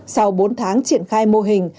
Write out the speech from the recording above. sau bốn tháng triển khai mô hình